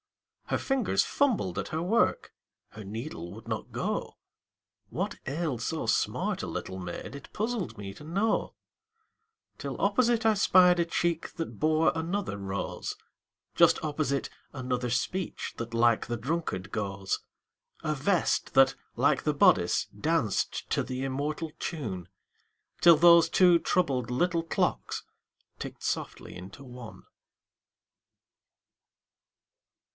Her fingers fumbled at her work, Her needle would not go; What ailed so smart a little maid It puzzled me to know, Till opposite I spied a cheek That bore another rose; Just opposite, another speech That like the drunkard goes; A vest that, like the bodice, danced To the immortal tune, Till those two troubled little clocks Ticked softly into one.